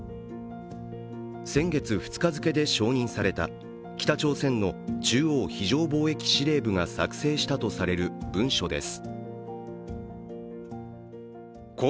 先月２日付で承認された北朝鮮の中央非常防疫司令部が作成したとされる文書です。